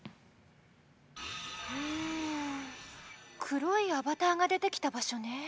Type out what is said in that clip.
黒いアバターが出てきた場所ね。